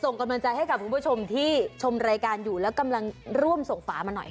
ส่งกำลังใจให้กับคุณผู้ชมที่ชมรายการอยู่แล้วกำลังร่วมส่งฝามาหน่อย